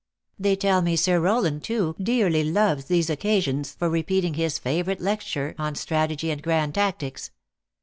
They tell me, Sir Rowland, too, dearly loves these occasions for repeating his favorite lecture on strategy and grand tactics.